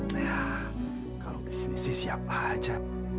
nah kalau di sini sih siap aja